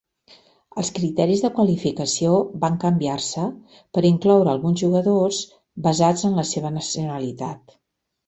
Els criteris de qualificació va canviar-se per incloure alguns jugadors basats en la seva nacionalitat.